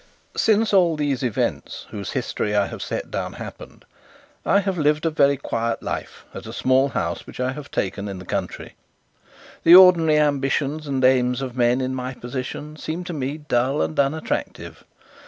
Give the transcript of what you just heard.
Since all these events whose history I have set down happened I have lived a very quiet life at a small house which I have taken in the country. The ordinary ambitions and aims of men in my position seem to me dull and unattractive.